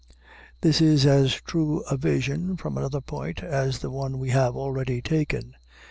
This is as true a view, from another point, as the one we have already taken.